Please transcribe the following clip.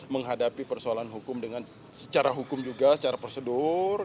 menghadapi persoalan hukum dengan secara hukum juga secara prosedur